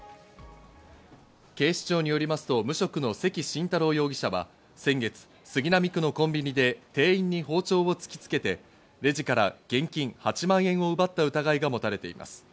警視庁によりますと、無職の関慎太郎容疑者は先月、杉並区のコンビニで店員に包丁を突きつけて、レジから現金８万円を奪った疑いが持たれています。